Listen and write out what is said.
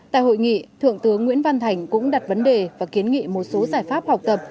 tại hội nghị thượng tướng nguyễn văn thành cũng đặt vấn đề và kiến nghị một số giải pháp học tập